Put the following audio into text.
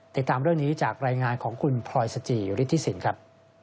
ติดตามเรื่องนี้จากรายงานของคุณพลอยสจิฤทธิสินครับ